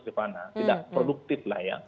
tidak produktif lah ya